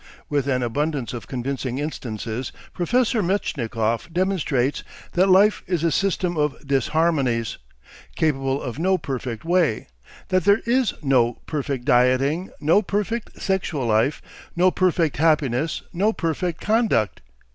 With an abundance of convincing instances Professor Metchnikoff demonstrates that life is a system of "disharmonies," capable of no perfect way, that there is no "perfect" dieting, no "perfect" sexual life, no "perfect" happiness, no "perfect" conduct.